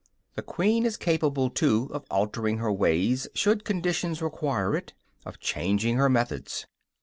The bee is capable, too, of altering her ways, should conditions require it; of changing her methods.